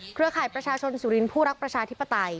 ข่ายประชาชนสุรินทร์ผู้รักประชาธิปไตย